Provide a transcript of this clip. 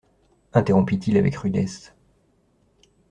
Interrompit-il avec rudesse.